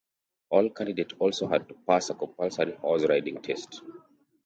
All candidate also had to pass a compulsory horse riding test.